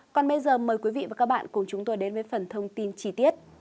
còn bây giờ mời quý vị và các bạn cùng chúng tôi đến với phần thông tin chi tiết